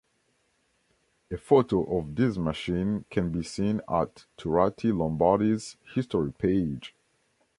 A photo of this machine can be seen at Turati Lombardi's history page.